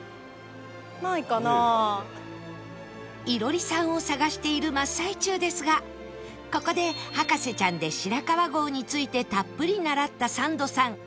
いろりさんを探している真っ最中ですがここで『博士ちゃん』で白川郷についてたっぷり習ったサンドさん